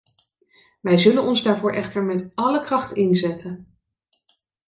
Wij zullen ons daarvoor echter met alle kracht inzetten.